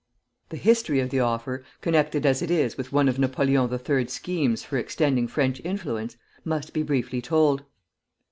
The history of the offer, connected as it is with one of Napoleon III.'s schemes for extending French influence, must be briefly told.